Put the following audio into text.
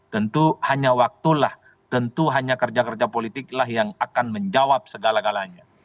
tentu hanya waktulah tentu hanya kerja kerja politiklah yang akan menjawab segala galanya